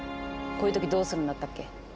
こういうときどうするんだったっけ？